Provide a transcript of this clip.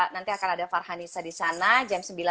nanti akan ada farhan nisanasution di sana jam sembilan belas